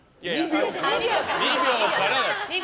２秒から。